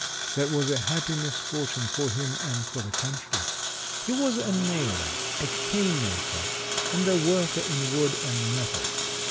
That was a happy misfortune for him and for the country. He was a nailer, a cane maker, and a worker in wood and metal.